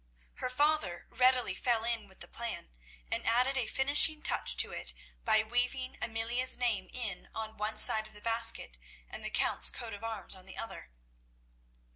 Her father readily fell in with the plan, and added a finishing touch to it by weaving Amelia's name in on one side of the basket and the Count's coat of arms on the other.